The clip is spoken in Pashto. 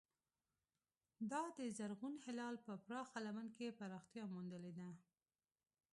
دا د زرغون هلال په پراخه لمن کې پراختیا موندلې ده.